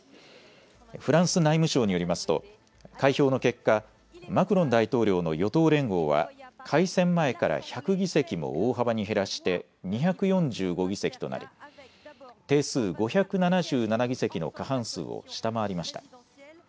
フランス内務省によりますと、開票の結果、マクロン大統領の与党連合は、改選前から１００議席も大幅に減らして２４５議席となり、定数５７７議席の過半数を下回りました。